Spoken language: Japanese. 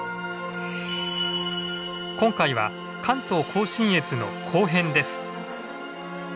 今回は関東甲信越の後編です。